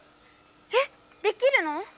えっできるの？